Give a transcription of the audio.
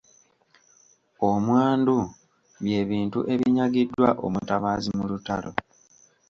Omwandu by’ebintu ebinyagiddwa omutabaazi mu lutalo.